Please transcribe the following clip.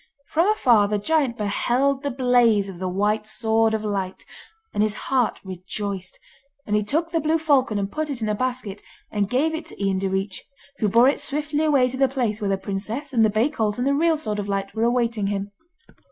From afar the giant beheld the blaze of the White Sword of Light, and his heart rejoiced; and he took the blue falcon and put it in a basket, and gave it to Ian Direach, who bore it swiftly away to the place where the princess, and the bay colt, and the real Sword of Light were awaiting him.